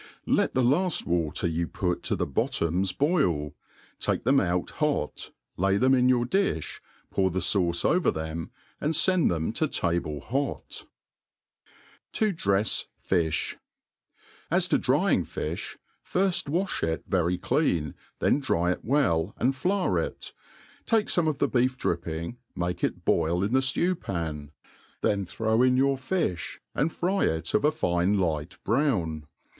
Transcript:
Let the laft water you i>ur.to the bottoms boil 5 take them out hot, lay them in your ^iih^ pou| the fauce over them, and fend them to table hot. 9 SCO THE ART OF COOKERY r# ii€f$ Fijh. AS to frying fift, firft wa(h it very clean, then dry it wcH, and flour it ; take fome of the beeMripping, make it boil in the fiew pan ; then throw in your fifli, and fry it of a fine light brown.